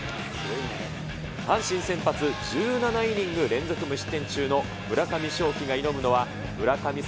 阪神先発、１７イニング連続無失点中の村上頌樹が挑むのは、村神様